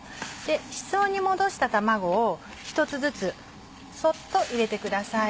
室温に戻した卵を一つずつそっと入れてください。